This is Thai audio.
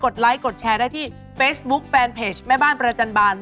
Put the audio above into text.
ได้ที่เฟสบุ๊คแฟนเพจแม่บ้านประจันบัน